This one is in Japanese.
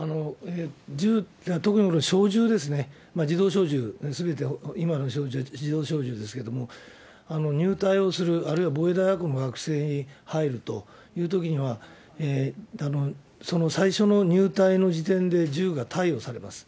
特に小銃ですね、自動小銃、すべて今の小銃、自動小銃ですけれども、入隊をする、あるいは防衛大学の学生に入るというときには、その最初の入隊の時点で銃が貸与されます。